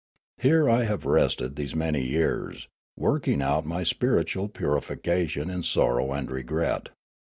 Here I have rested these many 5'ears, working out my spiritual purification in sorrow and regret.